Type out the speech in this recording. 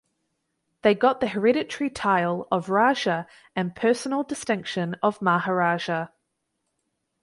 They got the hereditary tile of Raja and Personal distinction of Maharaja.